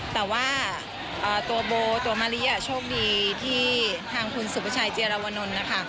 แต่ว่าตัวโบตัวมะลิโชคดีที่ทางคุณสุภาชัยเจรวนลนะคะ